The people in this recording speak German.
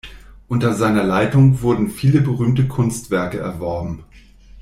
Unter seiner Leitung wurden viele berühmte Kunstwerke erworben.